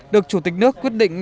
được chủ tịch nước quyết định